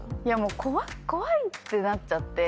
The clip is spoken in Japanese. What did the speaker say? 怖いってなっちゃって。